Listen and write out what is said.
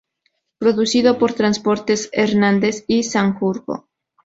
Producido por Transportes Hernández y Sanjurjo.